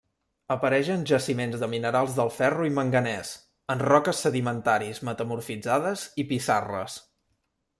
Apareix en jaciments de minerals del ferro i manganès, en roques sedimentaris metamorfitzades i pissarres.